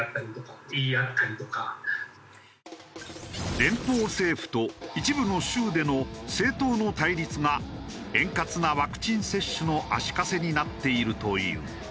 連邦政府と一部の州での政党の対立が円滑なワクチン接種の足かせになっているという。